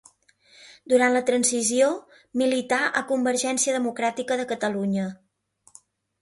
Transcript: Durant la transició milità a Convergència Democràtica de Catalunya.